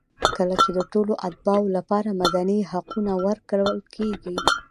کله چې د ټولو اتباعو لپاره مدني حقونه ورکول کېږي.